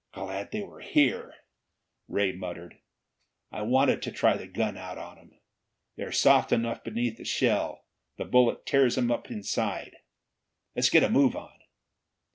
"Glad they were here," Ray muttered. "I wanted to try the gun out on 'em. They're soft enough beneath the shell; the bullet tears 'em up inside. Let's get a move on!"